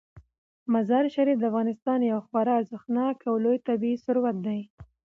مزارشریف د افغانستان یو خورا ارزښتناک او لوی طبعي ثروت دی.